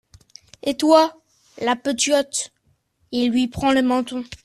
Et toi, la petiote ? il lui prend le menton.